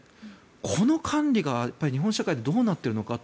この管理が日本社会でどうなっているのかと。